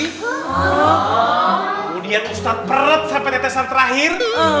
kemudian ustadz peret sampai tetesan terakhir